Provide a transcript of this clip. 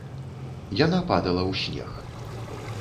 Яна падала ў снег.